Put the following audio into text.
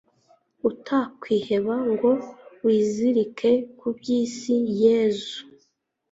utakwiheba, ngo wizirike ku by'isi. yezu